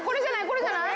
これじゃない？